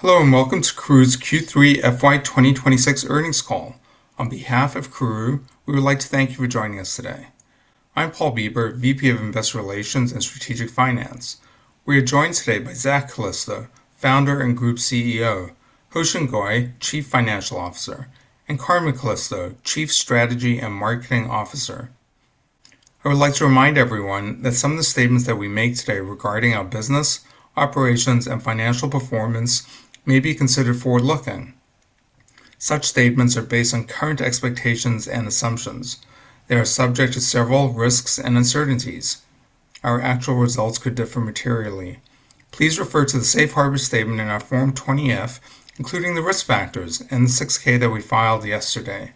Hello and welcome to Karooooo's Q3 FY 2026 earnings call. On behalf of Karooooo, we would like to thank you for joining us today. I'm Paul Bieber, VP of Investor Relations and Strategic Finance. We are joined today by Zak Calisto, Founder and Group CEO; Hoeshin Goy, Chief Financial Officer; and Carmen Calisto, Chief Strategy and Marketing Officer. I would like to remind everyone that some of the statements that we make today regarding our business, operations, and financial performance may be considered forward-looking. Such statements are based on current expectations and assumptions. They are subject to several risks and uncertainties. Our actual results could differ materially. Please refer to the Safe Harbor statement in our Form 20-F, including the risk factors and the 6-K that we filed yesterday.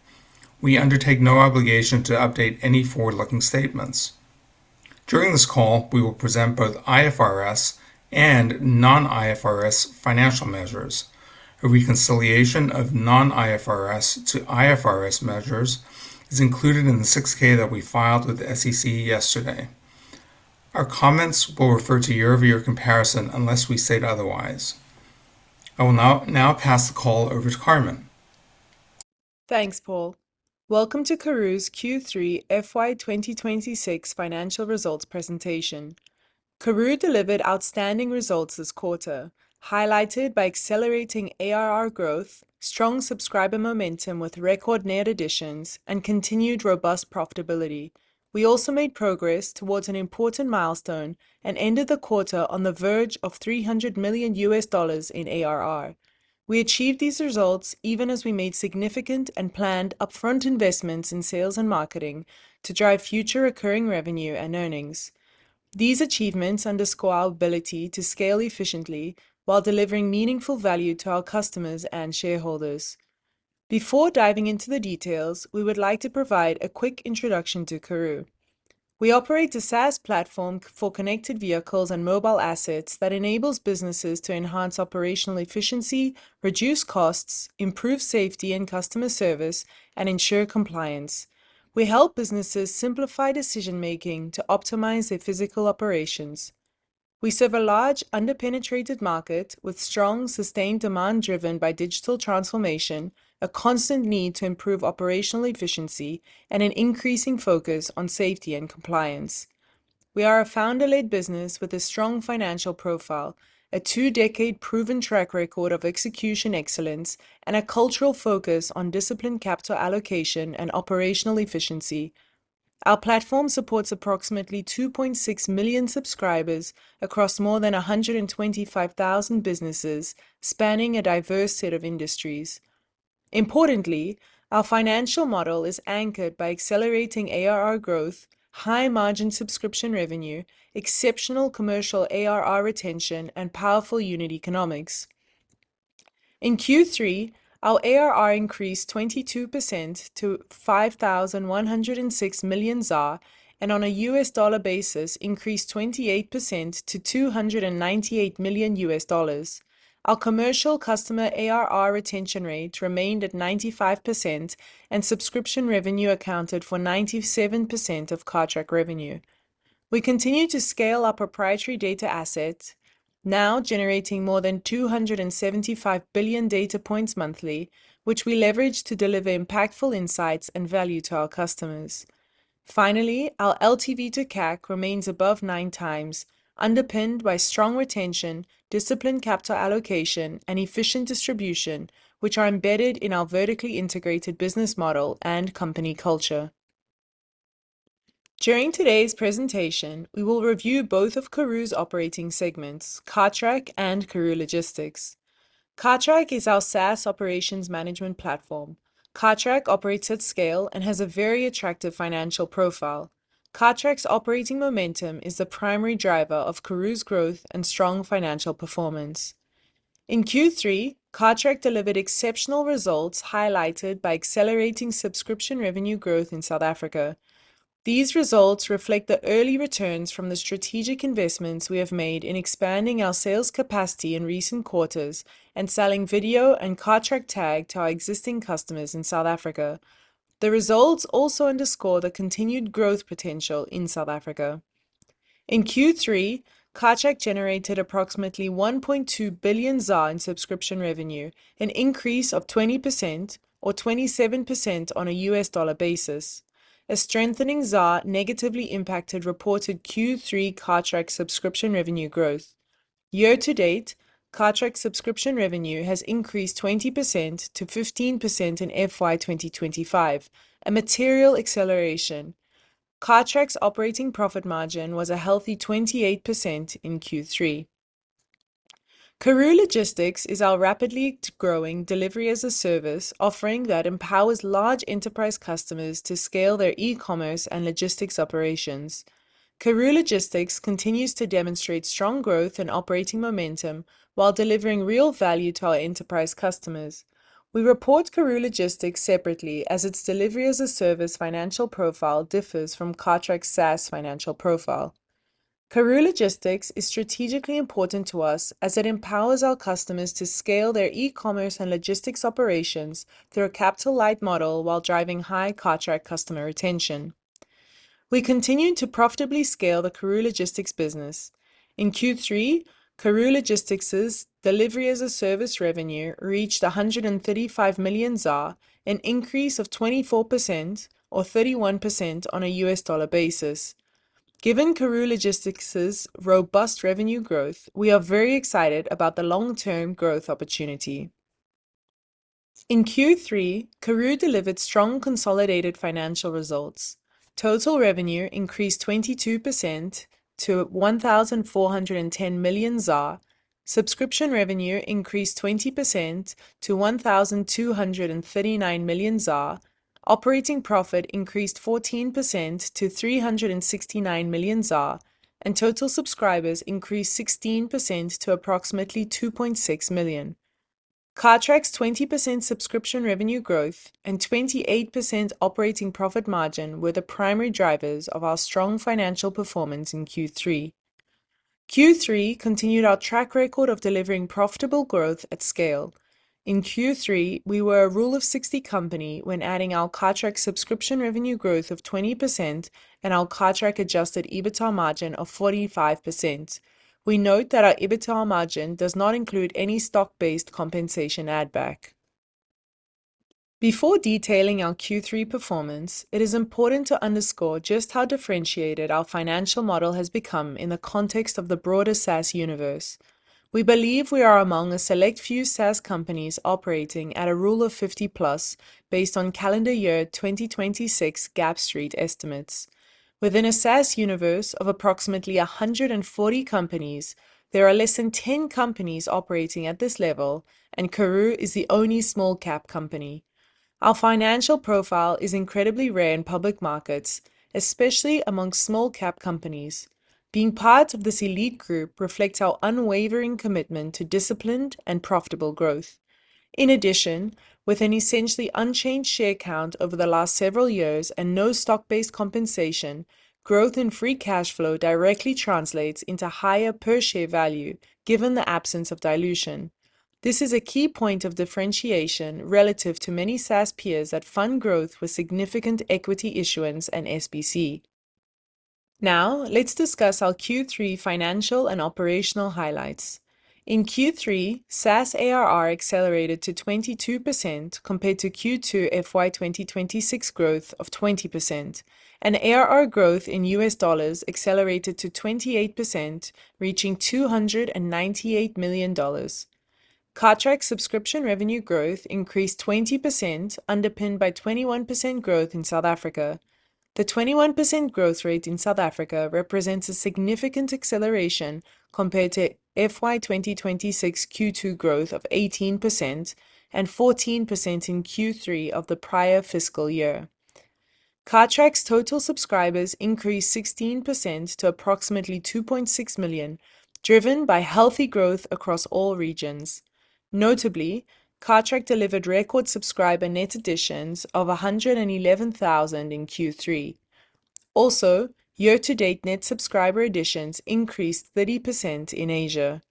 We undertake no obligation to update any forward-looking statements. During this call, we will present both IFRS and non-IFRS financial measures. A reconciliation of non-IFRS to IFRS measures is included in the 6-K that we filed with the SEC yesterday. Our comments will refer to year-over-year comparison unless we state otherwise. I will now pass the call over to Carmen. Thanks, Paul. Welcome to Karooooo's Q3 FY 2026 financial results presentation. Karooooo delivered outstanding results this quarter, highlighted by accelerating ARR growth, strong subscriber momentum with record net additions, and continued robust profitability. We also made progress towards an important milestone and ended the quarter on the verge of $300 million in ARR. We achieved these results even as we made significant and planned upfront investments in sales and marketing to drive future recurring revenue and earnings. These achievements underscore our ability to scale efficiently while delivering meaningful value to our customers and shareholders. Before diving into the details, we would like to provide a quick introduction to Karooooo. We operate a SaaS platform for connected vehicles and mobile assets that enables businesses to enhance operational efficiency, reduce costs, improve safety and customer service, and ensure compliance. We help businesses simplify decision-making to optimize their physical operations. We serve a large, under-penetrated market with strong, sustained demand driven by digital transformation, a constant need to improve operational efficiency, and an increasing focus on safety and compliance. We are a founder-led business with a strong financial profile, a two-decade proven track record of execution excellence, and a cultural focus on disciplined capital allocation and operational efficiency. Our platform supports approximately 2.6 million subscribers across more than 125,000 businesses spanning a diverse set of industries. Importantly, our financial model is anchored by accelerating ARR growth, high-margin subscription revenue, exceptional commercial ARR retention, and powerful unit economics. In Q3, our ARR increased 22% to 5,106 million ZAR and, on a U.S. dollar basis, increased 28% to $298 million. Our commercial customer ARR retention rate remained at 95%, and subscription revenue accounted for 97% of contract revenue. We continue to scale our proprietary data assets, now generating more than 275 billion data points monthly, which we leverage to deliver impactful insights and value to our customers. Finally, our LTV to CAC remains above nine times, underpinned by strong retention, disciplined capital allocation, and efficient distribution, which are embedded in our vertically integrated business model and company culture. During today's presentation, we will review both of Karooooo's operating segments, Cartrack and Karooooo Logistics. Cartrack is our SaaS operations management platform. Cartrack operates at scale and has a very attractive financial profile. Cartrack's operating momentum is the primary driver of Karooooo's growth and strong financial performance. In Q3, Cartrack delivered exceptional results highlighted by accelerating subscription revenue growth in South Africa. These results reflect the early returns from the strategic investments we have made in expanding our sales capacity in recent quarters and selling video and Cartrack Tag to our existing customers in South Africa. The results also underscore the continued growth potential in South Africa. In Q3, Cartrack generated approximately 1.2 billion in subscription revenue, an increase of 20% or 27% on a U.S. dollar basis. A strengthening ZAR negatively impacted reported Q3 Cartrack subscription revenue growth. Year-to-date, Cartrack subscription revenue has increased 20% to 15% in FY 2025, a material acceleration. Cartrack's operating profit margin was a healthy 28% in Q3. Karooooo Logistics is our rapidly growing delivery-as-a-service offering that empowers large enterprise customers to scale their e-commerce and logistics operations. Karooooo Logistics continues to demonstrate strong growth and operating momentum while delivering real value to our enterprise customers. We report Karooooo Logistics separately as its Delivery-as-a-Service financial profile differs from Cartrack's SaaS financial profile. Karooooo Logistics is strategically important to us as it empowers our customers to scale their e-commerce and logistics operations through a capital-light model while driving high Cartrack customer retention. We continue to profitably scale the Karooooo Logistics business. In Q3, Karooooo Logistics' Delivery-as-a-Service revenue reached 135 million ZAR, an increase of 24% or 31% on a U.S. dollar basis. Given Karooooo Logistics' robust revenue growth, we are very excited about the long-term growth opportunity. In Q3, Karooooo delivered strong consolidated financial results. Total revenue increased 22% to 1,410 million ZAR. Subscription revenue increased 20% to 1,239 million ZAR. Operating profit increased 14% to 369 million ZAR, and total subscribers increased 16% to approximately 2.6 million. Cartrack's 20% subscription revenue growth and 28% operating profit margin were the primary drivers of our strong financial performance in Q3. Q3 continued our track record of delivering profitable growth at scale. In Q3, we were a Rule of 60 company when adding our Cartrack subscription revenue growth of 20% and our Cartrack adjusted EBITDA margin of 45%. We note that our EBITDA margin does not include any stock-based compensation add-back. Before detailing our Q3 performance, it is important to underscore just how differentiated our financial model has become in the context of the broader SaaS universe. We believe we are among a select few SaaS companies operating at a Rule of 50+ based on calendar year 2026 Street estimates. Within a SaaS universe of approximately 140 companies, there are less than 10 companies operating at this level, and Karooooo is the only small-cap company. Our financial profile is incredibly rare in public markets, especially among small-cap companies. Being part of this elite group reflects our unwavering commitment to disciplined and profitable growth. In addition, with an essentially unchanged share count over the last several years and no stock-based compensation, growth in free cash flow directly translates into higher per-share value, given the absence of dilution. This is a key point of differentiation relative to many SaaS peers that fund growth with significant equity issuance and SBC. Now, let's discuss our Q3 financial and operational highlights. In Q3, SaaS ARR accelerated to 22% compared to Q2 FY 2026 growth of 20%. ARR growth in U.S. dollars accelerated to 28%, reaching $298 million. Cartrack subscription revenue growth increased 20%, underpinned by 21% growth in South Africa. The 21% growth rate in South Africa represents a significant acceleration compared to FY 2026 Q2 growth of 18% and 14% in Q3 of the prior fiscal year. Cartrack's total subscribers increased 16% to approximately 2.6 million, driven by healthy growth across all regions. Notably, Cartrack delivered record subscriber net additions of 111,000 in Q3. Also, year-to-date net subscriber additions increased 30% in Asia.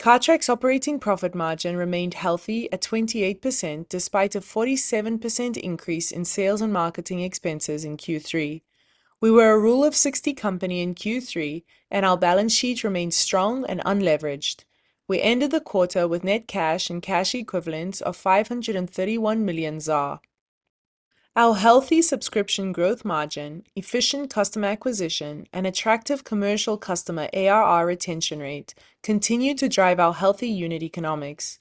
Cartrack's operating profit margin remained healthy at 28% despite a 47% increase in sales and marketing expenses in Q3. We were a Rule of 60 company in Q3, and our balance sheet remained strong and unleveraged. We ended the quarter with net cash and cash equivalents of 531 million ZAR. Our healthy subscription growth margin, efficient customer acquisition, and attractive commercial customer ARR retention rate continue to drive our healthy unit economics.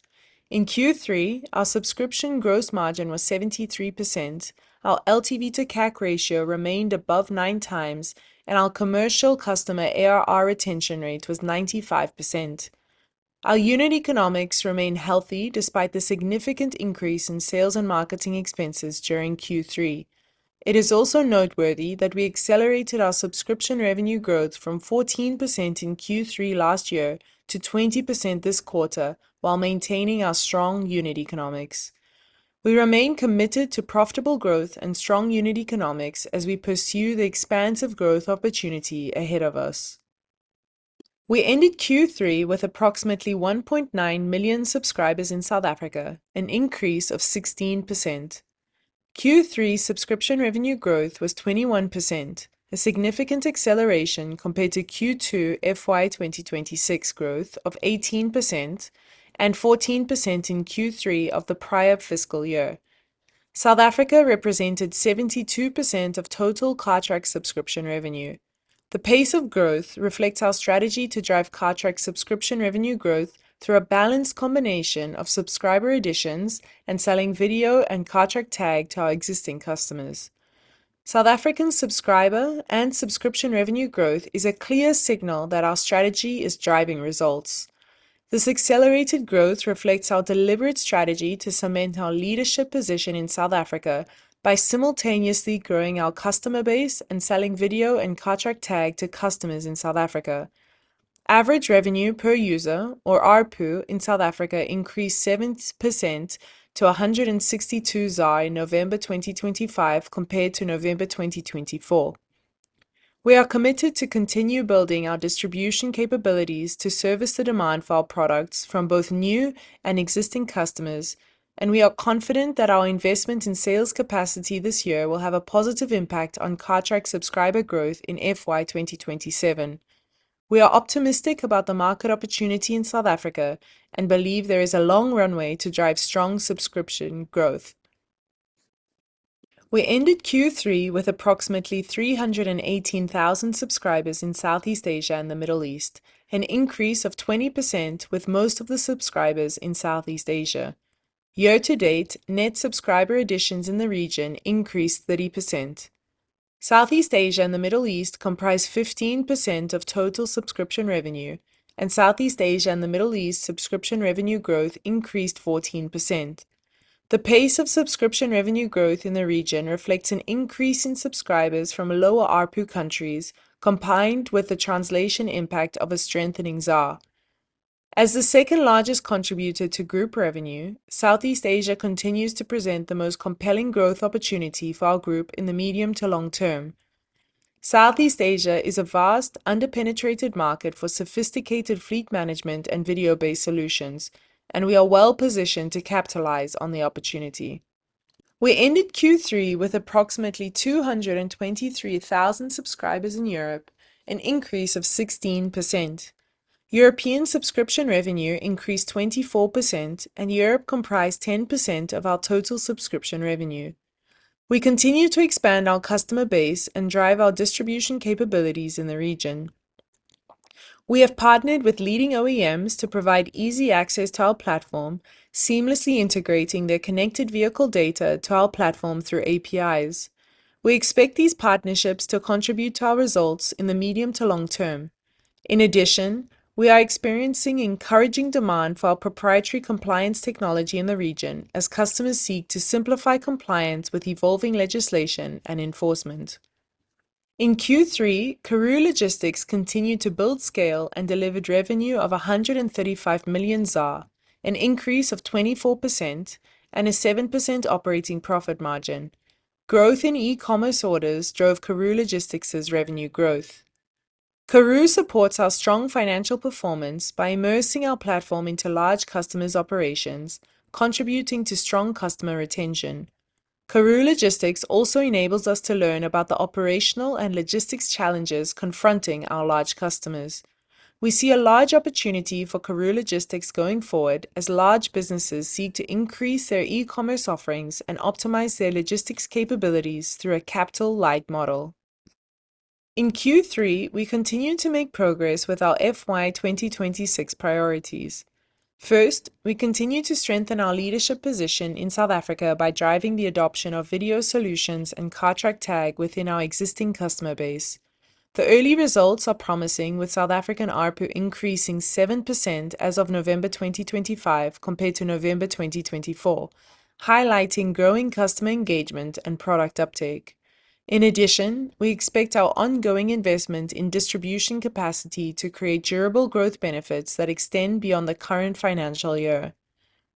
In Q3, our subscription gross margin was 73%, our LTV to CAC ratio remained above nine times, and our commercial customer ARR retention rate was 95%. Our unit economics remain healthy despite the significant increase in sales and marketing expenses during Q3. It is also noteworthy that we accelerated our subscription revenue growth from 14% in Q3 last year to 20% this quarter while maintaining our strong unit economics. We remain committed to profitable growth and strong unit economics as we pursue the expansive growth opportunity ahead of us. We ended Q3 with approximately 1.9 million subscribers in South Africa, an increase of 16%. Q3 subscription revenue growth was 21%, a significant acceleration compared to Q2 FY 2026 growth of 18% and 14% in Q3 of the prior fiscal year. South Africa represented 72% of total Cartrack subscription revenue. The pace of growth reflects our strategy to drive Cartrack subscription revenue growth through a balanced combination of subscriber additions and selling video and Cartrack Tag to our existing customers. South African subscriber and subscription revenue growth is a clear signal that our strategy is driving results. This accelerated growth reflects our deliberate strategy to cement our leadership position in South Africa by simultaneously growing our customer base and selling video and Cartrack Tag to customers in South Africa. Average revenue per user, or ARPU, in South Africa increased 7% to 162 ZAR in November 2025 compared to November 2024. We are committed to continue building our distribution capabilities to service the demand for our products from both new and existing customers, and we are confident that our investment in sales capacity this year will have a positive impact on Cartrack subscriber growth in FY 2027. We are optimistic about the market opportunity in South Africa and believe there is a long runway to drive strong subscription growth. We ended Q3 with approximately 318,000 subscribers in Southeast Asia and the Middle East, an increase of 20% with most of the subscribers in Southeast Asia. Year-to-date, net subscriber additions in the region increased 30%. Southeast Asia and the Middle East comprise 15% of total subscription revenue, and Southeast Asia and the Middle East subscription revenue growth increased 14%. The pace of subscription revenue growth in the region reflects an increase in subscribers from lower ARPU countries, combined with the translation impact of a strengthening ZAR. As the second-largest contributor to group revenue, Southeast Asia continues to present the most compelling growth opportunity for our group in the medium to long term. Southeast Asia is a vast, under-penetrated market for sophisticated fleet management and video-based solutions, and we are well-positioned to capitalize on the opportunity. We ended Q3 with approximately 223,000 subscribers in Europe, an increase of 16%. European subscription revenue increased 24%, and Europe comprised 10% of our total subscription revenue. We continue to expand our customer base and drive our distribution capabilities in the region. We have partnered with leading OEMs to provide easy access to our platform, seamlessly integrating their connected vehicle data to our platform through APIs. We expect these partnerships to contribute to our results in the medium to long term. In addition, we are experiencing encouraging demand for our proprietary compliance technology in the region as customers seek to simplify compliance with evolving legislation and enforcement. In Q3, Karooooo Logistics continued to build scale and delivered revenue of 135 million ZAR, an increase of 24%, and a 7% operating profit margin. Growth in e-commerce orders drove Karooooo Logistics' revenue growth. Karooooo supports our strong financial performance by immersing our platform into large customers' operations, contributing to strong customer retention. Karooooo Logistics also enables us to learn about the operational and logistics challenges confronting our large customers. We see a large opportunity for Karooooo Logistics going forward as large businesses seek to increase their e-commerce offerings and optimize their logistics capabilities through a capital-light model. In Q3, we continue to make progress with our FY 2026 priorities. First, we continue to strengthen our leadership position in South Africa by driving the adoption of video solutions and Cartrack Tag within our existing customer base. The early results are promising, with South African ARPU increasing 7% as of November 2025 compared to November 2024, highlighting growing customer engagement and product uptake. In addition, we expect our ongoing investment in distribution capacity to create durable growth benefits that extend beyond the current financial year.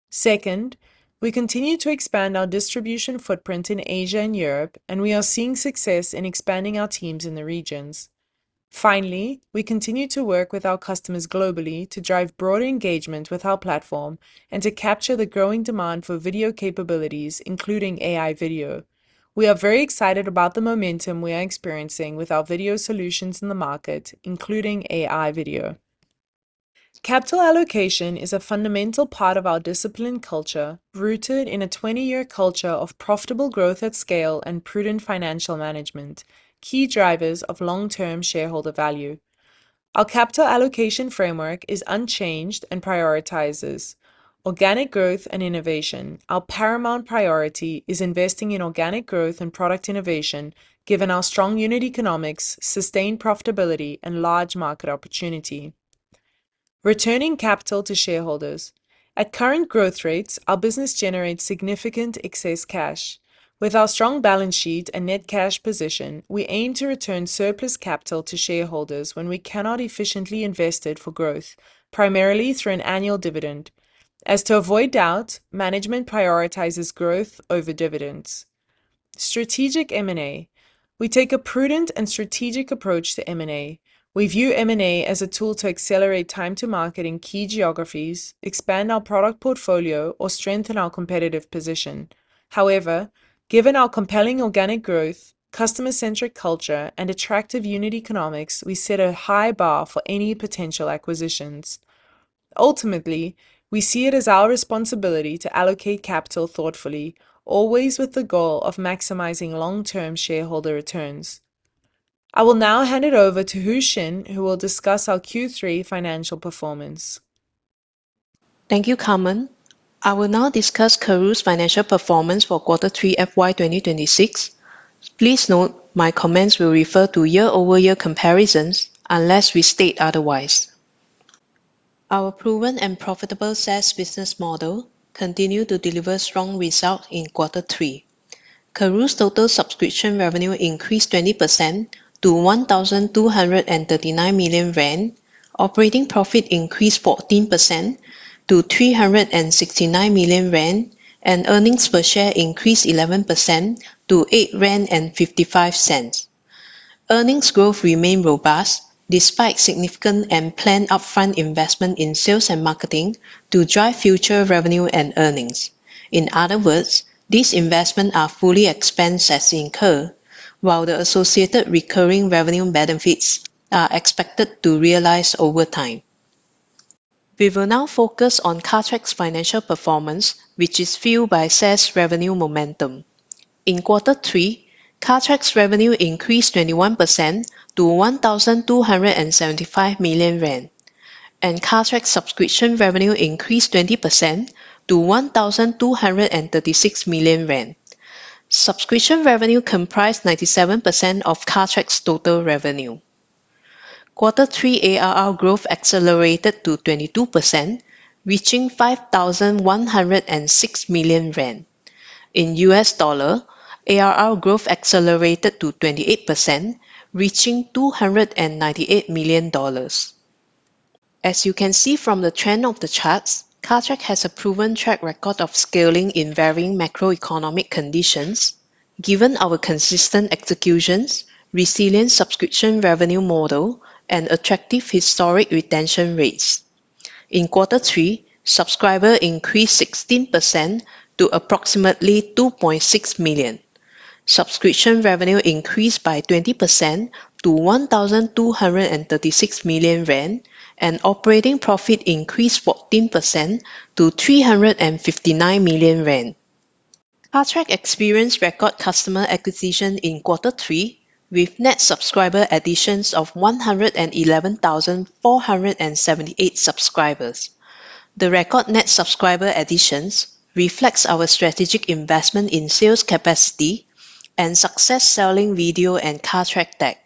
Second, we continue to expand our distribution footprint in Asia and Europe, and we are seeing success in expanding our teams in the regions. Finally, we continue to work with our customers globally to drive broader engagement with our platform and to capture the growing demand for video capabilities, including AI video. We are very excited about the momentum we are experiencing with our video solutions in the market, including AI video. Capital allocation is a fundamental part of our discipline culture, rooted in a 20-year culture of profitable growth at scale and prudent financial management, key drivers of long-term shareholder value. Our capital allocation framework is unchanged and prioritizes organic growth and innovation. Our paramount priority is investing in organic growth and product innovation, given our strong unit economics, sustained profitability, and large market opportunity. Returning capital to shareholders. At current growth rates, our business generates significant excess cash. With our strong balance sheet and net cash position, we aim to return surplus capital to shareholders when we cannot efficiently invest it for growth, primarily through an annual dividend. As to avoid doubt, management prioritizes growth over dividends. Strategic M&A. We take a prudent and strategic approach to M&A. We view M&A as a tool to accelerate time to market in key geographies, expand our product portfolio, or strengthen our competitive position. However, given our compelling organic growth, customer-centric culture, and attractive unit economics, we set a high bar for any potential acquisitions. Ultimately, we see it as our responsibility to allocate capital thoughtfully, always with the goal of maximizing long-term shareholder returns. I will now hand it over to Hoeshin, who will discuss our Q3 financial performance. Thank you, Carmen. I will now discuss Karooooo's financial performance for Q3 FY 2026. Please note my comments will refer to year-over-year comparisons unless we state otherwise. Our proven and profitable SaaS business model continues to deliver strong results in Q3. Karooooo's total subscription revenue increased 20% to 1,239 million rand, operating profit increased 14% to 369 million rand, and earnings per share increased 11% to 8.55 rand. Earnings growth remained robust despite significant and planned upfront investment in sales and marketing to drive future revenue and earnings. In other words, these investments are fully expensed as they incur, while the associated recurring revenue benefits are expected to realize over time. We will now focus on Cartrack's financial performance, which is fueled by SaaS revenue momentum. In Q3, Cartrack's revenue increased 21% to 1,275 million rand, and Cartrack's subscription revenue increased 20% to 1,236 million rand. Subscription revenue comprised 97% of Cartrack's total revenue. Q3 ARR growth accelerated to 22%, reaching 5,106 million rand. In U.S. dollars, ARR growth accelerated to 28%, reaching $298 million. As you can see from the trend of the charts, Cartrack has a proven track record of scaling in varying macroeconomic conditions, given our consistent executions, resilient subscription revenue model, and attractive historic retention rates. In Q3, subscribers increased 16% to approximately 2.6 million. Subscription revenue increased by 20% to 1,236 million rand, and operating profit increased 14% to 359 million rand. Cartrack experienced record customer acquisition in Q3, with net subscriber additions of 111,478 subscribers. The record net subscriber additions reflect our strategic investment in sales capacity and success selling video and Cartrack Tag.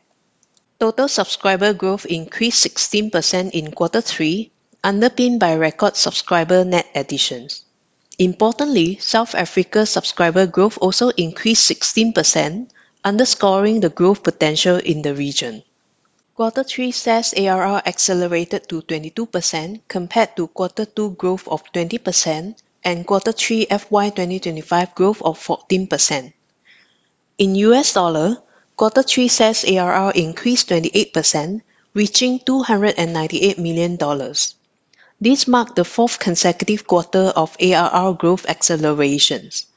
Total subscriber growth increased 16% in Q3, underpinned by record subscriber net additions. Importantly, South Africa's subscriber growth also increased 16%, underscoring the growth potential in the region. Q3 SaaS ARR accelerated to 22% compared to Q2 growth of 20% and Q3 FY 2025 growth of 14%. In U.S. dollar, Q3 SaaS ARR increased 28%, reaching $298 million. This marked the fourth consecutive quarter of ARR growth accelerations.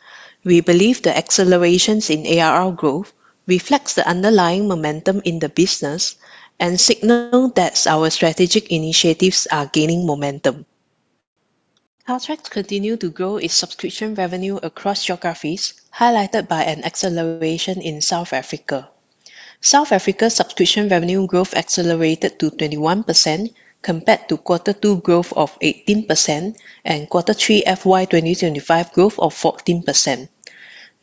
We believe the accelerations in ARR growth reflect the underlying momentum in the business and signal that our strategic initiatives are gaining momentum. Cartrack's continued to grow its subscription revenue across geographies, highlighted by an acceleration in South Africa. South Africa's subscription revenue growth accelerated to 21% compared to Q2 growth of 18% and Q3 FY 2025 growth of 14%.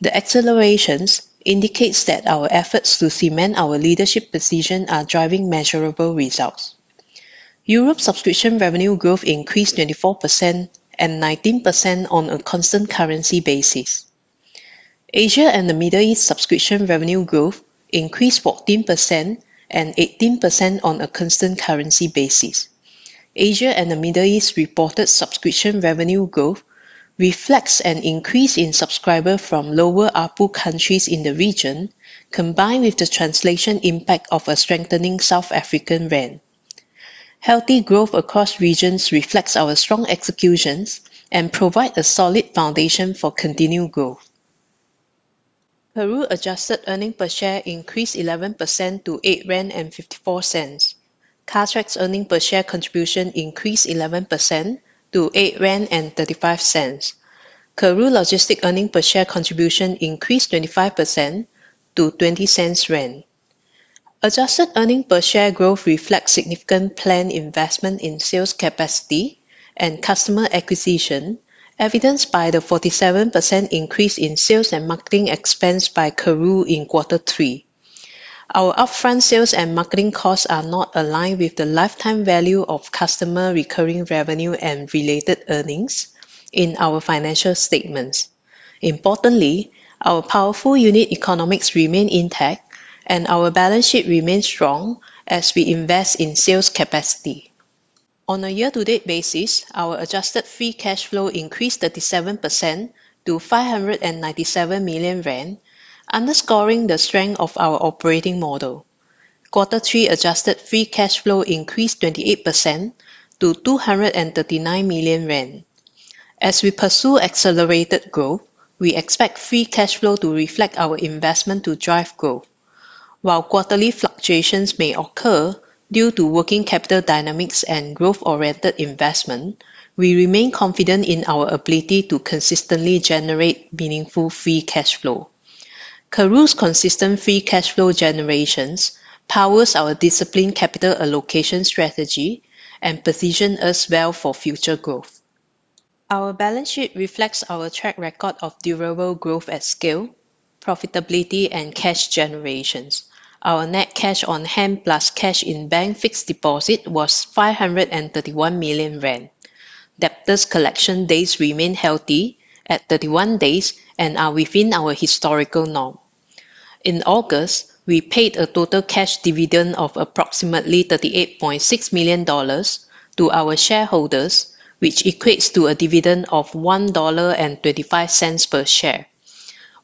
The accelerations indicate that our efforts to cement our leadership position are driving measurable results. Europe's subscription revenue growth increased 24% and 19% on a constant currency basis. Asia and the Middle East's subscription revenue growth increased 14% and 18% on a constant currency basis. Asia and the Middle East's reported subscription revenue growth reflects an increase in subscribers from lower ARPU countries in the region, combined with the translation impact of a strengthening South African rand. Healthy growth across regions reflects our strong executions and provides a solid foundation for continued growth. Karooooo's adjusted earnings per share increased 11% to 8.54 rand. Cartrack's earnings per share contribution increased 11% to 8.35 rand. Karooooo Logistics' earnings per share contribution increased 25% to 0.20. Adjusted earnings per share growth reflects significant planned investment in sales capacity and customer acquisition, evidenced by the 47% increase in sales and marketing expense by Karooooo in Q3. Our upfront sales and marketing costs are not aligned with the lifetime value of customer recurring revenue and related earnings in our financial statements. Importantly, our powerful unit economics remain intact, and our balance sheet remains strong as we invest in sales capacity. On a year-to-date basis, our adjusted free cash flow increased 37% to 597 million rand, underscoring the strength of our operating model. Q3 adjusted free cash flow increased 28% to 239 million rand. As we pursue accelerated growth, we expect free cash flow to reflect our investment to drive growth. While quarterly fluctuations may occur due to working capital dynamics and growth-oriented investment, we remain confident in our ability to consistently generate meaningful free cash flow. Karooooo's consistent free cash flow generations power our disciplined capital allocation strategy and position us well for future growth. Our balance sheet reflects our track record of durable growth at scale, profitability, and cash generation. Our net cash on hand plus cash in bank fixed deposit was R 531 million. Debtors' collection days remain healthy at 31 days and are within our historical norm. In August, we paid a total cash dividend of approximately $38.6 million to our shareholders, which equates to a dividend of $1.25 per share.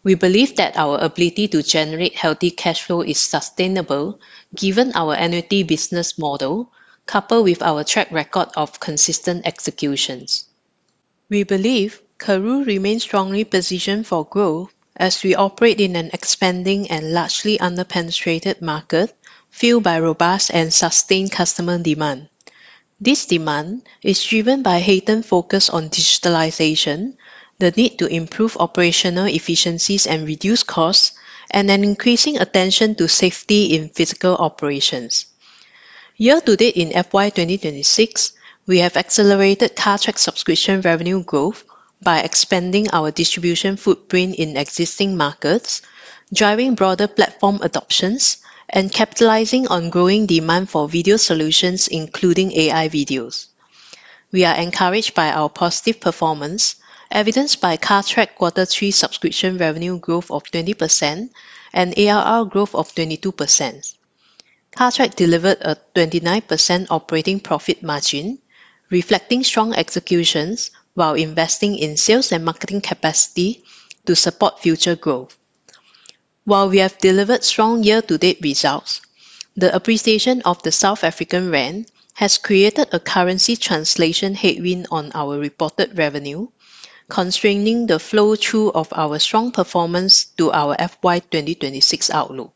We believe that our ability to generate healthy cash flow is sustainable given our energy business model, coupled with our track record of consistent executions. We believe Karooooo remains strongly positioned for growth as we operate in an expanding and largely underpenetrated market fueled by robust and sustained customer demand. This demand is driven by a heightened focus on digitalization, the need to improve operational efficiencies and reduce costs, and an increasing attention to safety in physical operations. Year-to-date in FY 2026, we have accelerated Cartrack's subscription revenue growth by expanding our distribution footprint in existing markets, driving broader platform adoptions, and capitalizing on growing demand for video solutions, including AI videos. We are encouraged by our positive performance, evidenced by Cartrack's Q3 subscription revenue growth of 20% and ARR growth of 22%. Cartrack delivered a 29% operating profit margin, reflecting strong executions while investing in sales and marketing capacity to support future growth. While we have delivered strong year-to-date results, the appreciation of the South African rand has created a currency translation headwind on our reported revenue, constraining the flow-through of our strong performance to our FY 2026 outlook.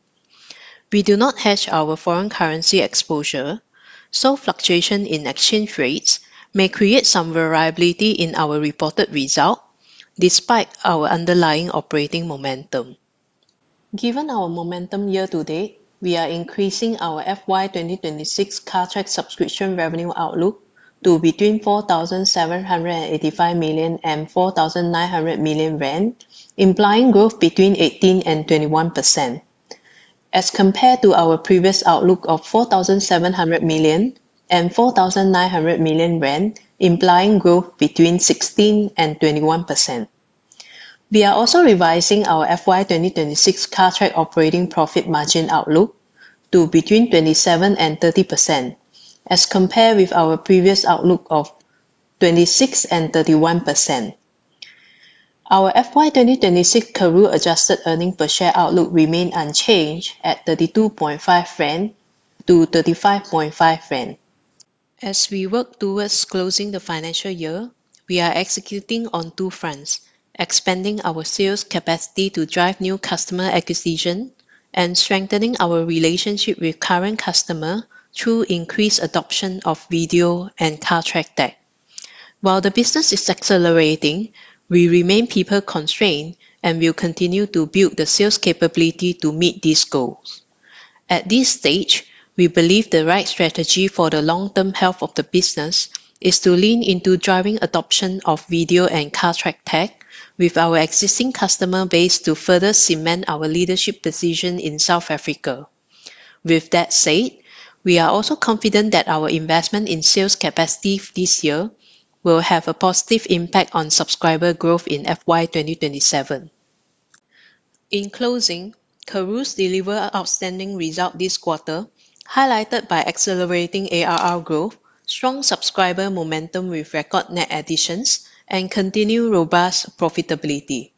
We do not hedge our foreign currency exposure, so fluctuations in exchange rates may create some variability in our reported result despite our underlying operating momentum. Given our momentum year-to-date, we are increasing our FY 2026 Cartrack subscription revenue outlook to between 4,785 million and 4,900 million rand, implying growth between 18% and 21%, as compared to our previous outlook of 4,700 million and 4,900 million rand, implying growth between 16% and 21%. We are also revising our FY 2026 Cartrack operating profit margin outlook to between 27% and 30%, as compared with our previous outlook of 26% and 31%. Our FY 2026 Karooooo adjusted earnings per share outlook remains unchanged at 32.50 rand to 35.50 rand. As we work towards closing the financial year, we are executing on two fronts: expanding our sales capacity to drive new customer acquisition and strengthening our relationship with current customers through increased adoption of video and Cartrack Tag. While the business is accelerating, we remain people-constrained and will continue to build the sales capability to meet these goals. At this stage, we believe the right strategy for the long-term health of the business is to lean into driving adoption of video and Cartrack Tag with our existing customer base to further cement our leadership position in South Africa. With that said, we are also confident that our investment in sales capacity this year will have a positive impact on subscriber growth in FY 2027. In closing, Karooooo's delivered outstanding results this quarter, highlighted by accelerating ARR growth, strong subscriber momentum with record net additions, and continued robust profitability.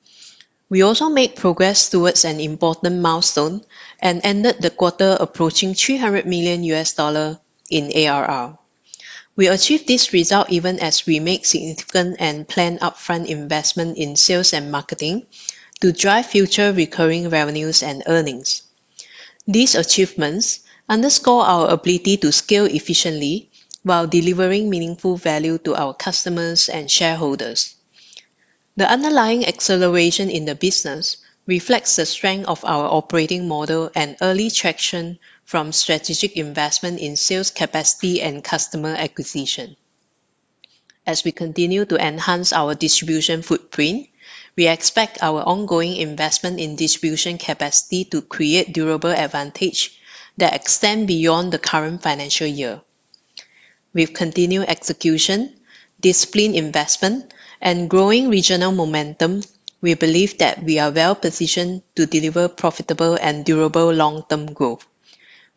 We also made progress towards an important milestone and ended the quarter approaching $300 million in ARR. We achieved this result even as we made significant and planned upfront investment in sales and marketing to drive future recurring revenues and earnings. These achievements underscore our ability to scale efficiently while delivering meaningful value to our customers and shareholders. The underlying acceleration in the business reflects the strength of our operating model and early traction from strategic investment in sales capacity and customer acquisition. As we continue to enhance our distribution footprint, we expect our ongoing investment in distribution capacity to create durable advantage that extends beyond the current financial year. With continued execution, disciplined investment, and growing regional momentum, we believe that we are well-positioned to deliver profitable and durable long-term growth.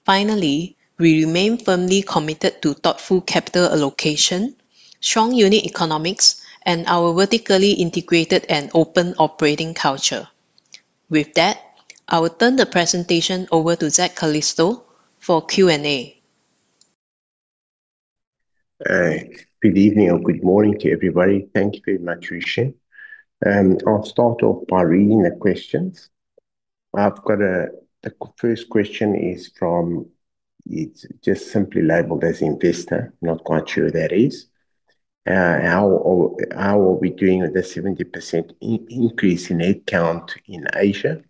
Finally, we remain firmly committed to thoughtful capital allocation, strong unit economics, and our vertically integrated and open operating culture. With that, I will turn the presentation over to Zak Calisto for Q&A. Hey, good evening or good morning to everybody. Thank you very much, Hoeshin. I'll start off by reading the questions. I've got a first question is from, it's just simply labeled as investor, not quite sure who that is. How are we doing with the 70% increase in headcount in Asia?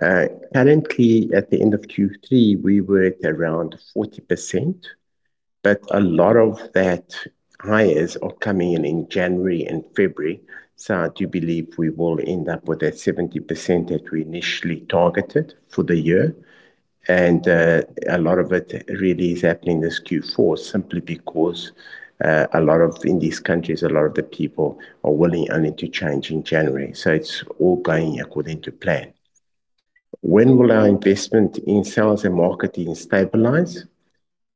Currently, at the end of Q3, we were at around 40%, but a lot of those hires are coming in January and February. I do believe we will end up with a 70% that we initially targeted for the year. A lot of it really is happening this Q4 simply because a lot of, in these countries, a lot of the people are willing only to change in January. It's all going according to plan. When will our investment in sales and marketing stabilize?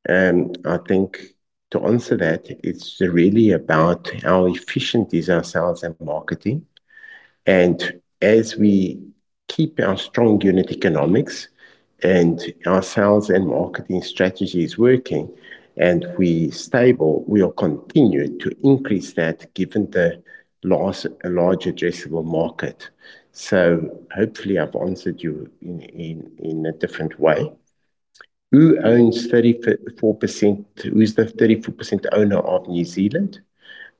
I think to answer that, it's really about how efficient is our sales and marketing. As we keep our strong unit economics and our sales and marketing strategies working and we're stable, we will continue to increase that given the large addressable market. Hopefully I've answered you in a different way. Who owns 34%? Who is the 34% owner of New Zealand?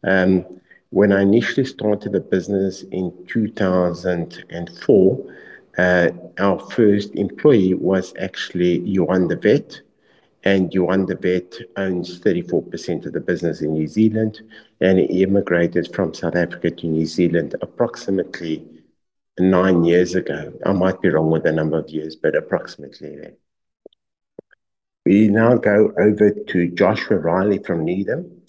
When I initially started the business in 2004, our first employee was actually Iwan de Wet, and Iwan de Wet owns 34% of the business in New Zealand and immigrated from South Africa to New Zealand approximately nine years ago. I might be wrong with the number of years, but approximately there. We now go over to Joshua Riley from New Zealand.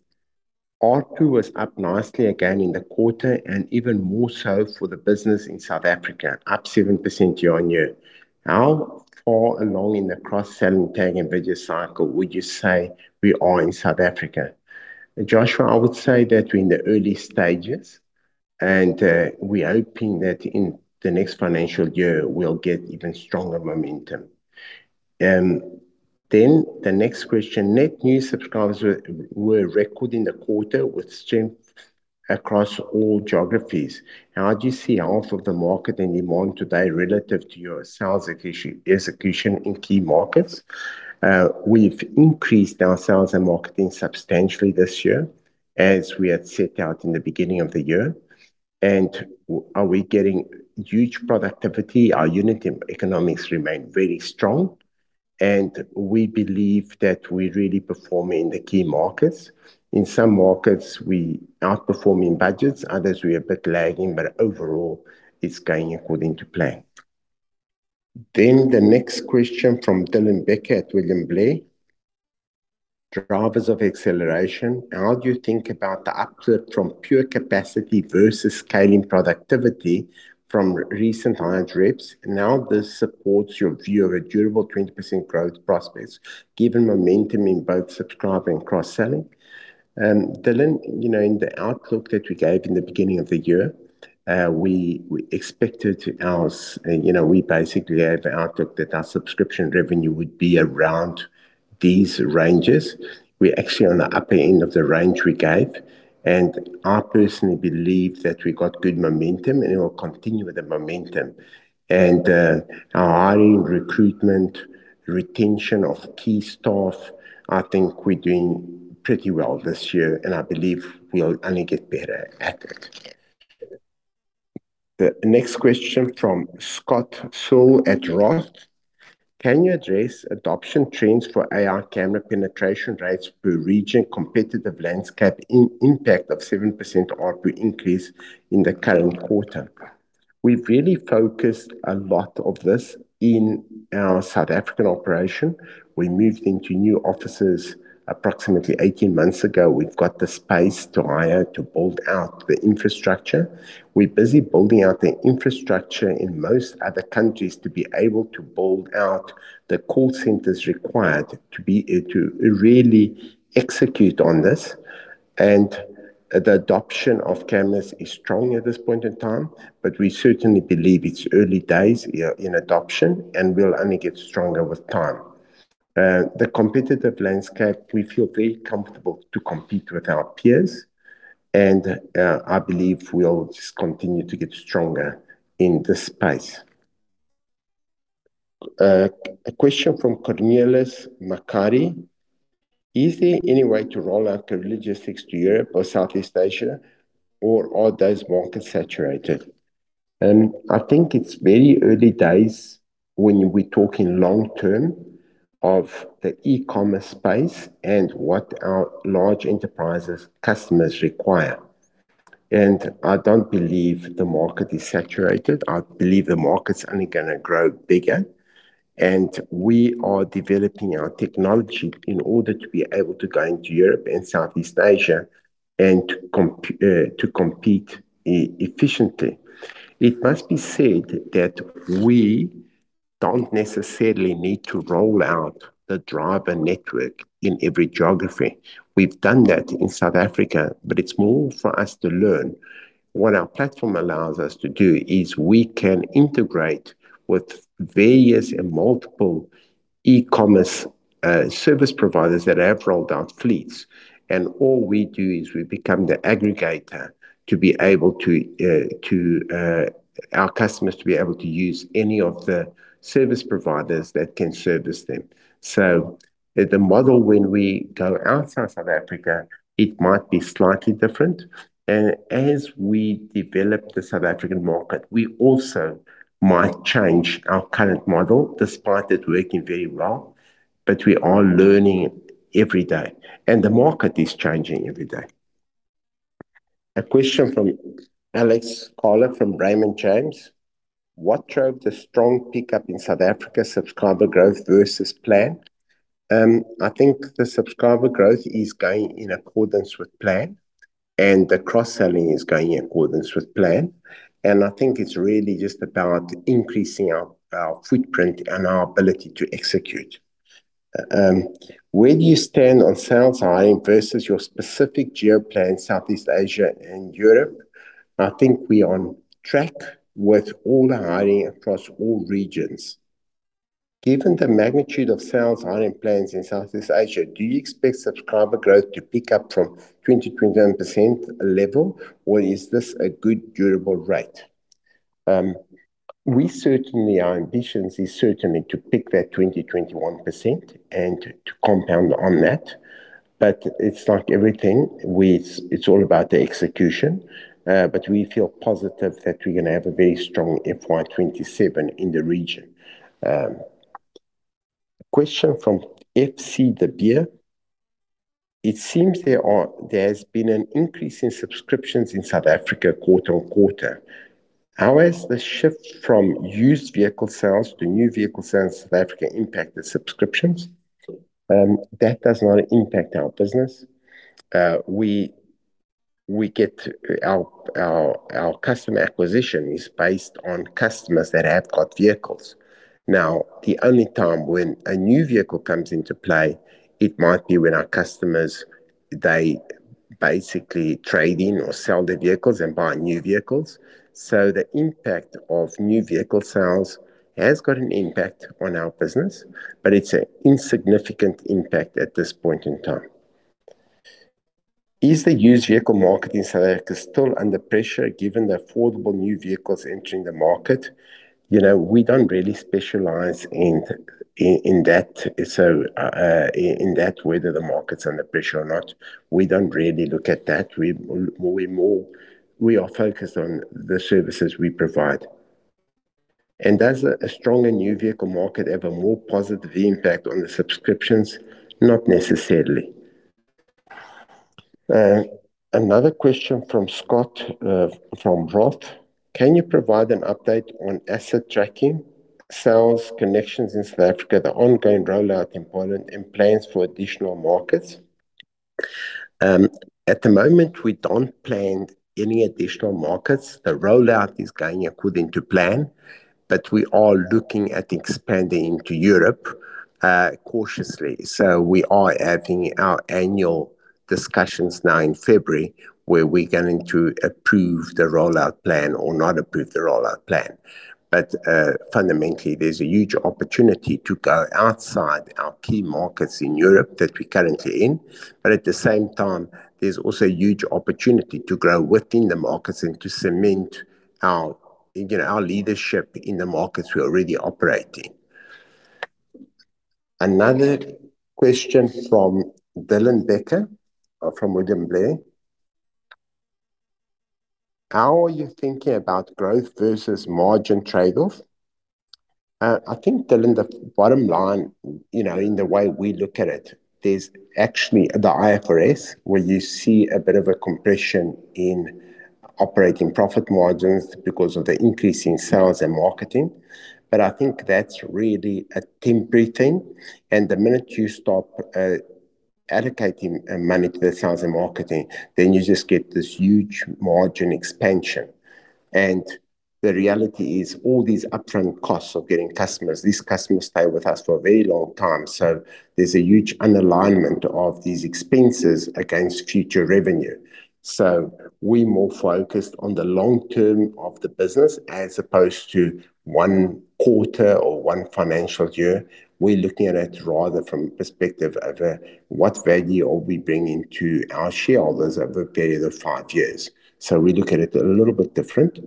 R2 was up nicely again in the quarter and even more so for the business in South Africa, up 7% year on year. How far along in the cross-selling Tag and video cycle would you say we are in South Africa? Joshua, I would say that we're in the early stages, and we're hoping that in the next financial year we'll get even stronger momentum. Then the next question, net new subscribers were record in the quarter with strength across all geographies. How do you see half of the market in demand today relative to your sales execution in key markets? We've increased our sales and marketing substantially this year, as we had set out in the beginning of the year. And are we getting huge productivity? Our unit economics remain very strong, and we believe that we're really performing in the key markets. In some markets, we outperform in budgets. Others we're a bit lagging, but overall it's going according to plan. Then the next question from Dylan Becker at William Blair. Drivers of acceleration, how do you think about the uplift from pure capacity versus scaling productivity from recent higher drips? And how does this support your view of a durable 20% growth prospects given momentum in both subscribing and cross-selling? Dylan, you know, in the outlook that we gave in the beginning of the year, we expected ARR, you know, we basically have the outlook that our subscription revenue would be around these ranges. We're actually on the upper end of the range we gave, and I personally believe that we got good momentum and we'll continue with the momentum. And our hiring, recruitment, retention of key staff, I think we're doing pretty well this year, and I believe we'll only get better at it. The next question from Scott Searle at Roth. Can you address adoption trends for AI camera penetration rates per region, competitive landscape, impact of 7% R2 increase in the current quarter? We've really focused a lot of this in our South African operation. We moved into new offices approximately 18 months ago. We've got the space to hire to build out the infrastructure. We're busy building out the infrastructure in most other countries to be able to build out the call centers required to really execute on this. The adoption of cameras is strong at this point in time, but we certainly believe it's early days in adoption and will only get stronger with time. The competitive landscape, we feel very comfortable to compete with our peers, and I believe we'll just continue to get stronger in this space. A question from Cornelis from Macquarie. Is there any way to roll out Karooooo Logistics just next to Europe or Southeast Asia, or are those markets saturated? I think it's very early days when we're talking long term of the e-commerce space and what our large enterprises' customers require. I don't believe the market is saturated. I believe the market's only going to grow bigger. We are developing our technology in order to be able to go into Europe and Southeast Asia and to compete efficiently. It must be said that we don't necessarily need to roll out the driver network in every geography. We've done that in South Africa, but it's more for us to learn. What our platform allows us to do is we can integrate with various and multiple e-commerce service providers that have rolled out fleets. All we do is we become the aggregator to be able to, to our customers to be able to use any of the service providers that can service them. So the model when we go outside South Africa, it might be slightly different. As we develop the South African market, we also might change our current model despite it working very well, but we are learning every day. The market is changing every day. A question from Alex Sklar from Raymond James. What drove the strong pickup in South Africa subscriber growth versus plan? I think the subscriber growth is going in accordance with plan, and the cross-selling is going in accordance with plan. I think it's really just about increasing our footprint and our ability to execute. Where do you stand on sales hiring versus your specific geo plan, Southeast Asia and Europe? I think we are on track with all the hiring across all regions. Given the magnitude of sales hiring plans in Southeast Asia, do you expect subscriber growth to pick up from 20-21% level, or is this a good durable rate? We certainly, our ambition is certainly to pick that 20-21% and to compound on that. But it's like everything, it's all about the execution. But we feel positive that we're going to have a very strong FY 27 in the region. A question from F.C. de Beer. It seems there has been an increase in subscriptions in South Africa quarter on quarter. How has the shift from used vehicle sales to new vehicle sales in South Africa impacted subscriptions? That does not impact our business. We get our customer acquisition is based on customers that have got vehicles. Now, the only time when a new vehicle comes into play, it might be when our customers, they basically trade in or sell their vehicles and buy new vehicles. So the impact of new vehicle sales has got an impact on our business, but it's an insignificant impact at this point in time. Is the used vehicle market in South Africa still under pressure given the affordable new vehicles entering the market? You know, we don't really specialize in that. So in that, whether the market's under pressure or not, we don't really look at that. We are focused on the services we provide, and does a stronger new vehicle market have a more positive impact on the subscriptions? Not necessarily. Another question from Scott from Roth. Can you provide an update on asset tracking, sales connections in South Africa, the ongoing rollout in Poland, and plans for additional markets? At the moment, we don't plan any additional markets. The rollout is going according to plan, but we are looking at expanding into Europe cautiously, so we are having our annual discussions now in February where we're going to approve the rollout plan or not approve the rollout plan. But fundamentally, there's a huge opportunity to go outside our key markets in Europe that we're currently in. But at the same time, there's also a huge opportunity to grow within the markets and to cement our leadership in the markets we're already operating. Another question from Dylan Becker from William Blair. How are you thinking about growth versus margin trade-off? I think, Dylan, the bottom line, you know, in the way we look at it, there's actually the IFRS where you see a bit of a compression in operating profit margins because of the increase in sales and marketing. But I think that's really a temporary thing. And the minute you stop allocating money to the sales and marketing, then you just get this huge margin expansion. And the reality is all these upfront costs of getting customers, these customers stay with us for a very long time. So there's a huge understatement of these expenses against future revenue. So we're more focused on the long term of the business as opposed to one quarter or one financial year. We're looking at it rather from the perspective of what value are we bringing to our shareholders over a period of five years. So we look at it a little bit different.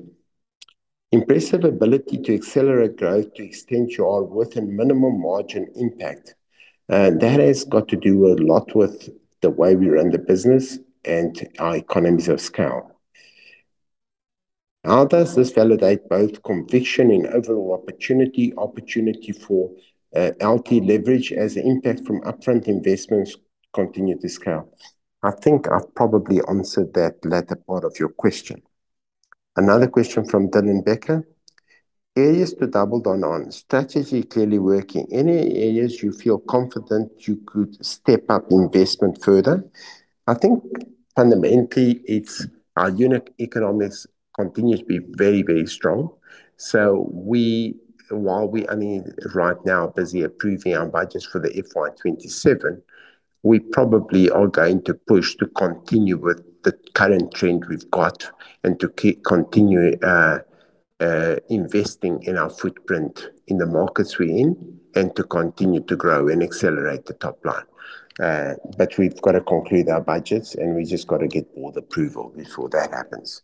Impressive ability to accelerate growth to extend your within minimum margin impact. That has got to do a lot with the way we run the business and our economies of scale. How does this validate both conviction and overall opportunity for LT leverage as the impact from upfront investments continue to scale? I think I've probably answered that latter part of your question. Another question from Dylan Becker. Areas to double down on. Strategy clearly working. Any areas you feel confident you could step up investment further? I think fundamentally it's our unit economics continues to be very, very strong. So while we're only right now busy approving our budgets for the FY 2027, we probably are going to push to continue with the current trend we've got and to continue investing in our footprint in the markets we're in and to continue to grow and accelerate the top line. But we've got to conclude our budgets and we've just got to get board approval before that happens.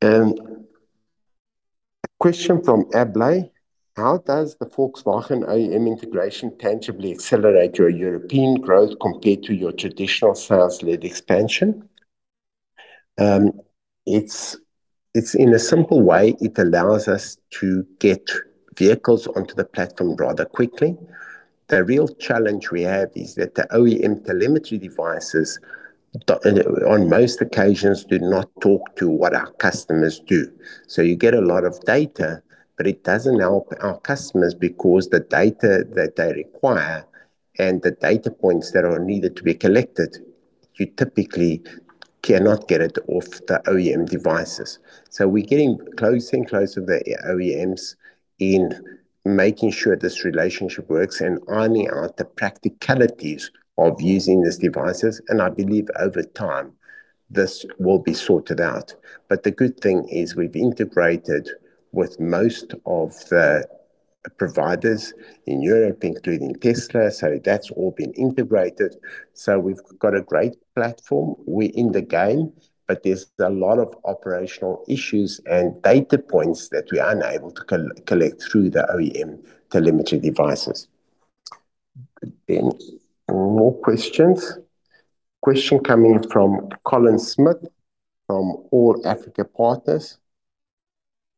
A question from Ablay. How does the Volkswagen OEM integration tangibly accelerate your European growth compared to your traditional sales-led expansion? It's in a simple way. It allows us to get vehicles onto the platform rather quickly. The real challenge we have is that the OEM telemetry devices on most occasions do not talk to what our customers do. You get a lot of data, but it doesn't help our customers because the data that they require and the data points that are needed to be collected. You typically cannot get it off the OEM devices. We're getting closer and closer to the OEMs in making sure this relationship works and ironing out the practicalities of using these devices. I believe over time this will be sorted out. The good thing is we've integrated with most of the providers in Europe, including Tesla. That's all been integrated. We've got a great platform. We're in the game, but there's a lot of operational issues and data points that we aren't able to collect through the OEM telemetry devices. Then more questions. Question coming from Keelan Smith from One Africa Capital.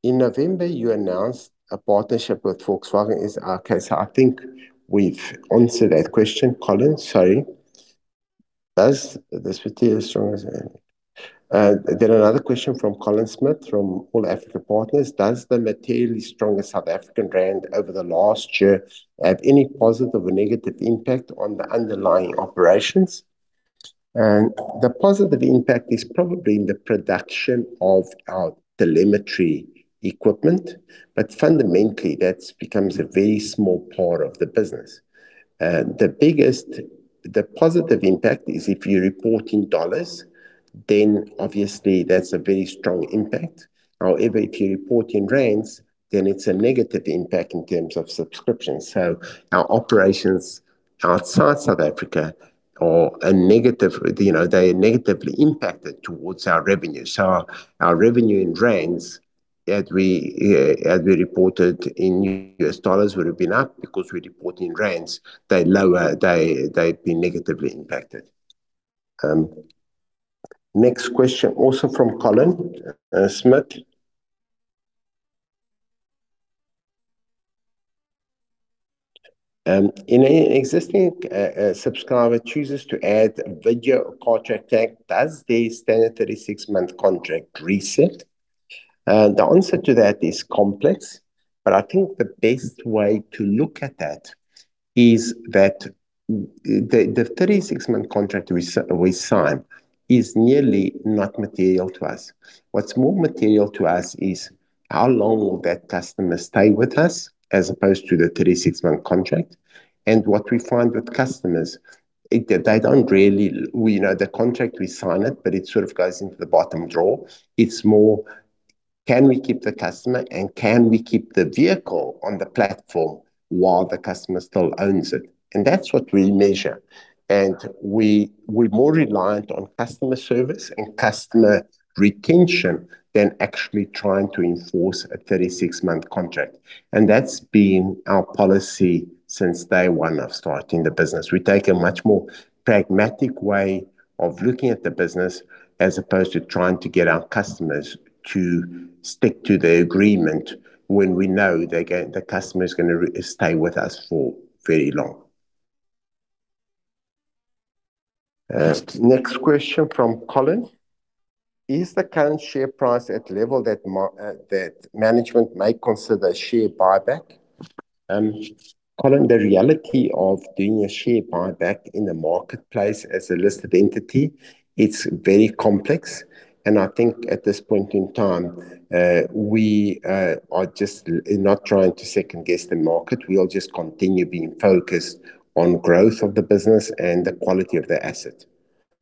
In November, you announced a partnership with Volkswagen in our case. I think we've answered that question, Colin. Sorry. Is the rand materially strong? Then another question from Keelan Smith from One Africa Capital. Does the materially strongest South African rand over the last year have any positive or negative impact on the underlying operations? And the positive impact is probably in the production of our telemetry equipment, but fundamentally that becomes a very small part of the business. The biggest, the positive impact is if you report in dollars, then obviously that's a very strong impact. However, if you report in rands, then it's a negative impact in terms of subscriptions. So our operations outside South Africa are a negative, you know, they're negatively impacted towards our revenue. So our revenue in rands that we reported in U.S. dollars would have been up because we report in rands. They'd be negatively impacted. Next question also from Keelan Smith. If an existing subscriber chooses to add a video Cartrack Tag, does the standard 36-month contract reset? The answer to that is complex, but I think the best way to look at that is that the 36-month contract we sign is nearly not material to us. What's more material to us is how long will that customer stay with us as opposed to the 36-month contract? And what we find with customers, they don't really, you know, the contract we sign it, but it sort of goes into the bottom drawer. It's more, can we keep the customer and can we keep the vehicle on the platform while the customer still owns it? And that's what we measure. And we're more reliant on customer service and customer retention than actually trying to enforce a 36-month contract. And that's been our policy since day one of starting the business. We take a much more pragmatic way of looking at the business as opposed to trying to get our customers to stick to the agreement when we know the customer is going to stay with us for very long. Next question from Colin. Is the current share price at level that management may consider share buyback? Colin, the reality of doing a share buyback in the marketplace as a listed entity, it's very complex, and I think at this point in time, we are just not trying to second guess the market. We'll just continue being focused on growth of the business and the quality of the asset.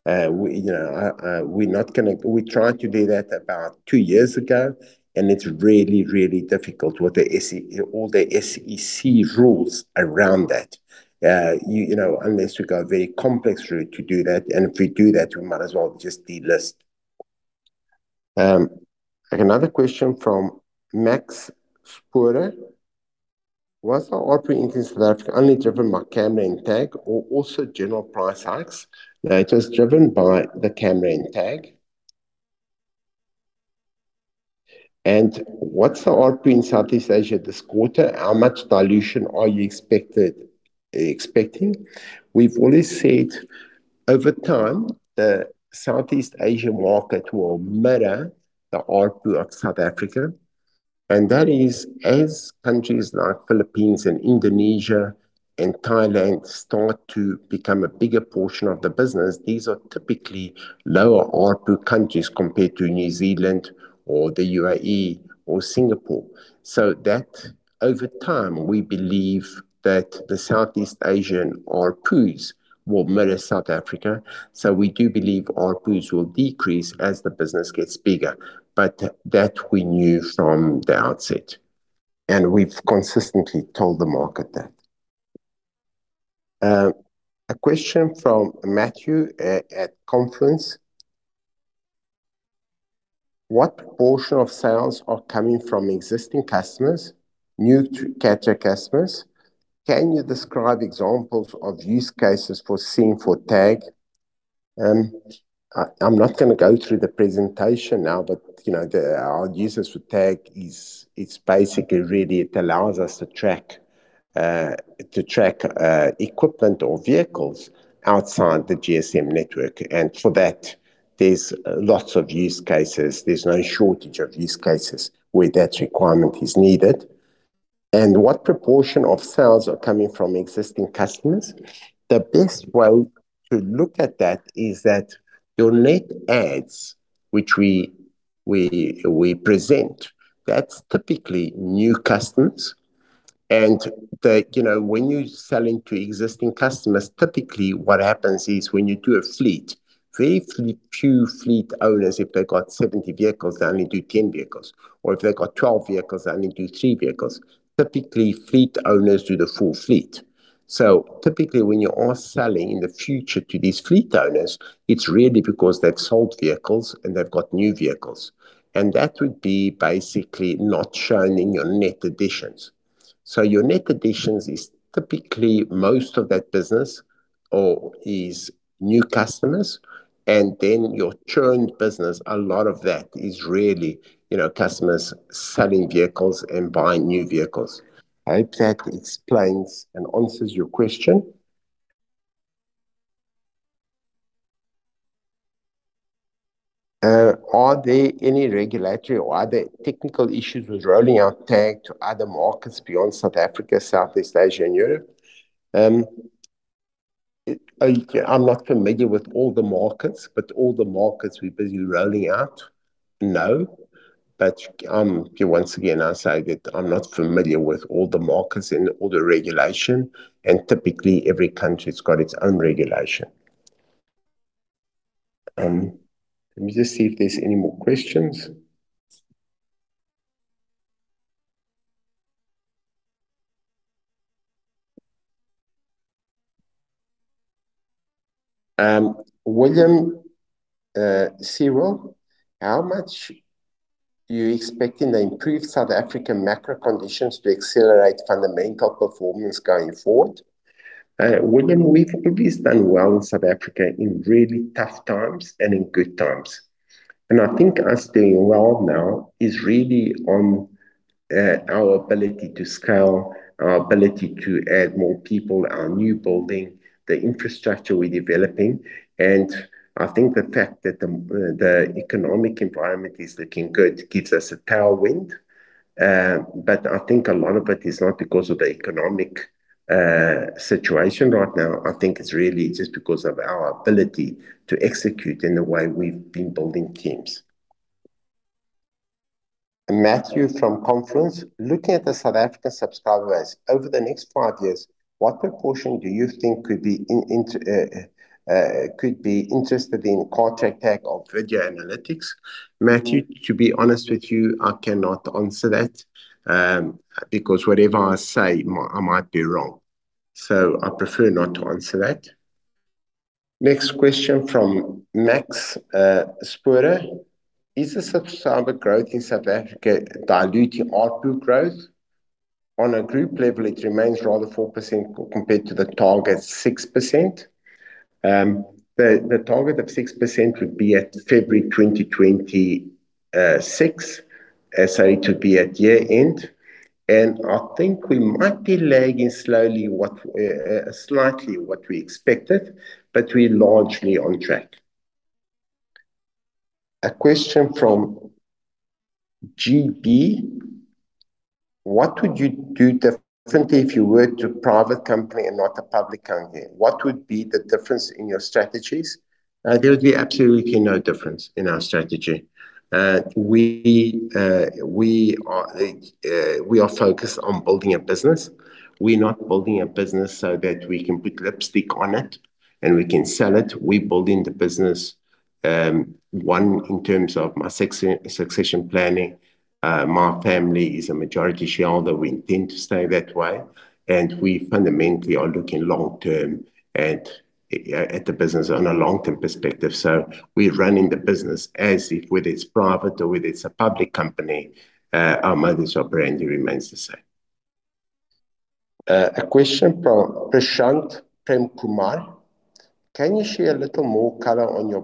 You know, we're not going to. We tried to do that about two years ago, and it's really, really difficult with all the SEC rules around that. You know, unless we got a very complex route to do that. And if we do that, we might as well just delist. Another question from Alex Sklar. Was the ARPU in South Africa only driven by camera and Tag or also general price hikes? It was driven by the camera and Tag. And what's the ARPU in Southeast Asia this quarter? How much dilution are you expecting? We've always said over time, the Southeast Asian market will mirror the ARPU of South Africa. And that is as countries like Philippines and Indonesia and Thailand start to become a bigger portion of the business, these are typically lower ARPU countries compared to New Zealand or the UAE or Singapore. So that over time, we believe that the Southeast Asian ARPUs will mirror South Africa. So we do believe ARPUs will decrease as the business gets bigger, but that we knew from the outset. And we've consistently told the market that. A question from Matthew at Confluence. What portion of sales are coming from existing customers, new to Cartrack customers? Can you describe examples of use cases for Cartrack Tag? I'm not going to go through the presentation now, but you know, our use for Tag is, it's basically really, it allows us to track equipment or vehicles outside the GSM network. And for that, there's lots of use cases. There's no shorTage of use cases where that requirement is needed. What proportion of sales are coming from existing customers? The best way to look at that is that our net adds, which we present, that's typically new customers. You know, when you're selling to existing customers, typically what happens is when you do a fleet, very few fleet owners, if they've got 70 vehicles, they only do 10 vehicles. Or if they've got 12 vehicles, they only do three vehicles. Typically, fleet owners do the full fleet. So typically when you are selling in the future to these fleet owners, it's really because they've sold vehicles and they've got new vehicles. And that would be basically not shown in your net additions. So your net additions is typically most of that business or is new customers. And then your churned business, a lot of that is really, you know, customers selling vehicles and buying new vehicles. I hope that explains and answers your question. Are there any regulatory or other technical issues with rolling out Tag to other markets beyond South Africa, Southeast Asia, and Europe? I'm not familiar with all the markets, but all the markets we're busy rolling out, no. But once again, I'll say that I'm not familiar with all the markets and all the regulation. And typically every country has got its own regulation. Let me just see if there's any more questions. William Searle, how much are you expecting the improved South African macro conditions to accelerate fundamental performance going forward? William, we've always done well in South Africa in really tough times and in good times. And I think us doing well now is really on our ability to scale, our ability to add more people, our new building, the infrastructure we're developing. And I think the fact that the economic environment is looking good gives us a tailwind. But I think a lot of it is not because of the economic situation right now. I think it's really just because of our ability to execute in the way we've been building teams. Matthew from Confluence, looking at the South African subscribers over the next five years, what proportion do you think could be interested in Cartrack Tag or video analytics? Matthew, to be honest with you, I cannot answer that because whatever I say, I might be wrong. So I prefer not to answer that. Next question from Alex Skoler. Is the subscriber growth in South Africa diluting ARPU growth? On a group level, it remains rather 4% compared to the target 6%. The target of 6% would be at February 2026. So it would be at year end. I think we might be lagging slightly what we expected, but we're largely on track. A question from GB. What would you do differently if you were a private company and not a public company? What would be the difference in your strategies? There would be absolutely no difference in our strategy. We are focused on building a business. We're not building a business so that we can put lipstick on it and we can sell it. We're building the business one in terms of my succession planning. My family is a majority shareholder. We intend to stay that way and we fundamentally are looking long term and at the business on a long term perspective, so we're running the business as if whether it's private or whether it's a public company, our modus operandi remains the same. A question from Prashant Premkumar. Can you share a little more color on your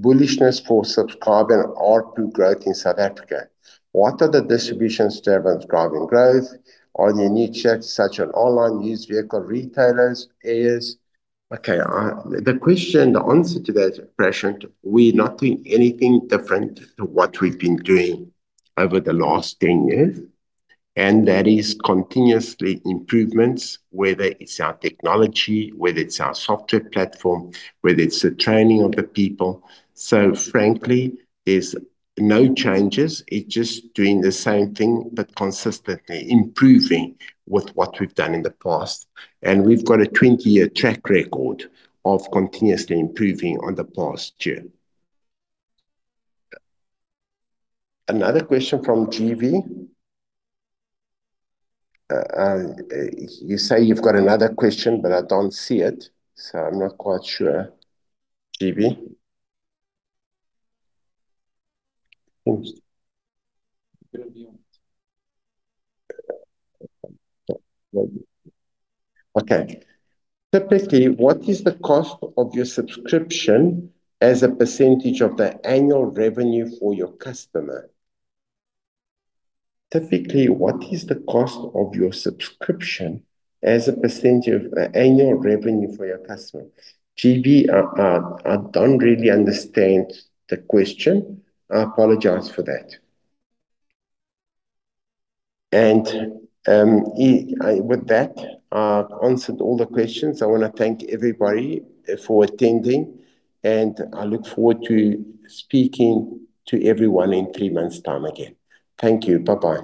bullishness for subscription ARPU growth in South Africa? What are the drivers you have for subscription growth? Are there any checks such as online used vehicle retailers? Okay, the question, the answer to that, Prashant, we're not doing anything different to what we've been doing over the last 10 years. And that is continuous improvements, whether it's our technology, whether it's our software platform, whether it's the training of the people. So frankly, there's no changes. It's just doing the same thing, but consistently improving with what we've done in the past. And we've got a 20-year track record of continuously improving on the past year. Another question from GB. You say you've got another question, but I don't see it. So I'm not quite sure. GB. Okay. Typically, what is the cost of your subscription as a percenTage of the annual revenue for your customer? Typically, what is the cost of your subscription as a percenTage of the annual revenue for your customer? GB, I don't really understand the question. I apologize for that. And with that, I've answered all the questions. I want to thank everybody for attending. And I look forward to speaking to everyone in three months' time again. Thank you. Bye-bye.